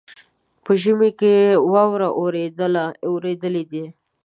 په ژمي کې واوره اوریدلې ده.